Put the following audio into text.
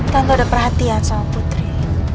tante udah perhatian sama putri